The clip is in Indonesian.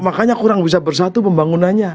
makanya kurang bisa bersatu pembangunannya